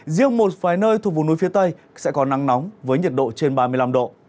riêng một vài nơi thuộc vùng núi phía tây sẽ có nắng nóng với nhiệt độ trên ba mươi năm độ